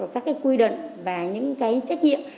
các quy định và những trách nhiệm